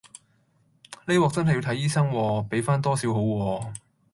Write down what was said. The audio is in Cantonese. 呢鑊真係要睇醫生喎，畀返多少好喎